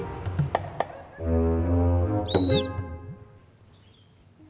kamu masih mikir